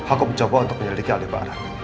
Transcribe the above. aku mencoba untuk menyelidiki alibara